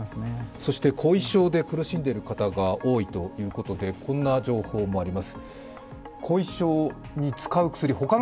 そして後遺症で苦しんでいる方が多いということでこんな情報もあります。